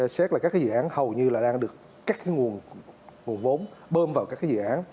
xét là các cái dự án hầu như là đang được các cái nguồn vốn bơm vào các cái dự án